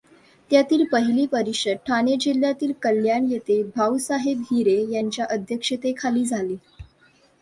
त्यातील पहिली परिषद ठाणे जिल्ह्यातील कल्याण येथे भाऊसाहेब हिरे यांच्या अध्यक्षतेखाली झाली.